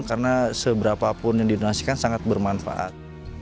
karena seberapapun yang didonasikan sangat bermanfaat